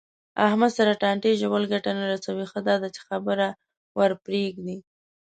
احمد سره ټانټې ژول گټه نه کوي. ښه ده چې خبره ورپرېږدې.